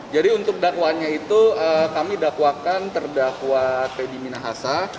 jadi untuk dakwanya itu kami dakwakan terdakwa teddy minahasa